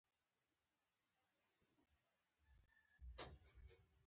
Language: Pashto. دا د فرانسې او برېټانیا ترمنځ و.